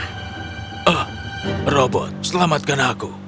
ah robot selamatkan aku